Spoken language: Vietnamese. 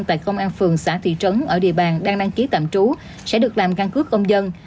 tại công an phường xã thị trấn ở địa bàn đang đăng ký tạm trú sẽ được làm căn cước công dân